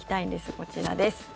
こちらです。